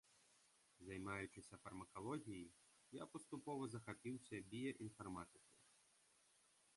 Займаючыся фармакалогіяй, я паступова захапіўся біяінфарматыкай.